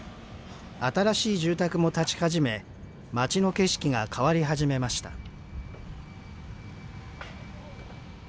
新しい住宅も建ち始め町の景色が変わり始めました